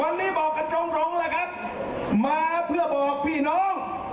วันนี้บอกกันตรงตรงแล้วครับมาเพื่อบอกพี่น้อง